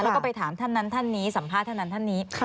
แล้วก็ไปถามท่านนั้นท่านนี้สัมภาษณ์ท่านนั้นท่านนี้